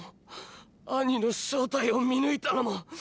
アニの正体を見抜いたのも。